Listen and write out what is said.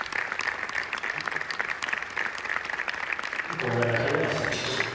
コウ材が足りなかったんでしょう。